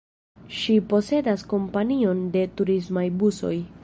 Ŝi posedas kompanion de turismaj busoj.